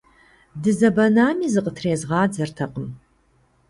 Дызэбэнами, зыкъытрезгъадзэртэкъым.